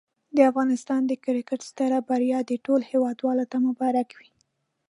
د افغانستان د کرکټ ستره بریا دي ټولو هېوادوالو ته مبارک وي.